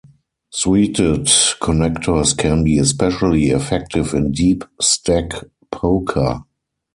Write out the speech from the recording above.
Suited connectors can be especially effective in deep stack poker.